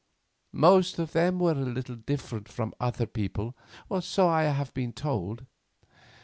Most of them were a little different from other people, I have been told."